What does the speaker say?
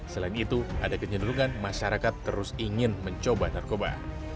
selain itu ada kecenderungan masyarakat terus ingin mencoba narkoba